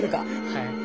はい。